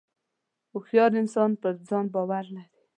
• هوښیار انسان پر ځان باور لري.